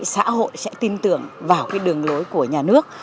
xã hội sẽ tin tưởng vào cái đường lối của nhà nước